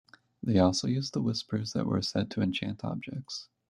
They also used the whispers that were said to enchant objects.